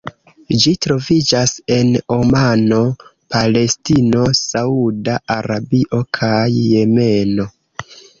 Ĝi troviĝas en Omano, Palestino, Sauda Arabio kaj Jemeno.